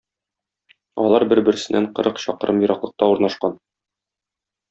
Алар бер-берсеннән кырык чакрым ераклыкта урнашкан.